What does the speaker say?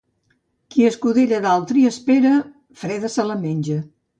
Qui escudella d'altri espera, freda se la menja.